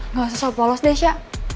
nggak usah soal polos deh sya